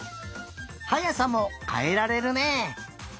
はやさもかえられるね。